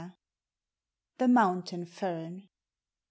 THE MOUNTAIN FERN.